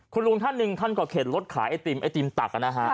คุณลุงท่านหนึ่งท่านก็เข็นรถขายไอติมไอติมตักนะฮะ